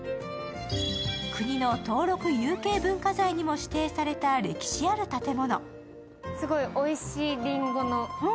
国の登録有形文化財にも指定された歴史ある建物。